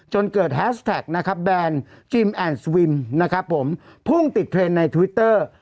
จนเกิดแฮสแท็กนะครับแบนจิมแอนด์สวิมนะครับผมพุ่งติดเทรนด์ในทวิตเตอร์